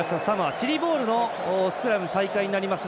チリボールのスクラム再開になりました。